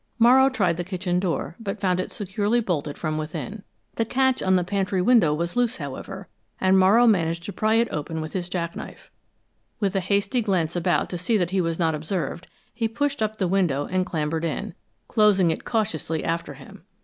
Morrow tried the kitchen door, but found it securely bolted from within. The catch on the pantry window was loose, however, and Morrow managed to pry it open with his jackknife. With a hasty glance about to see that he was not observed, he pushed up the window and clambered in, closing it cautiously after him.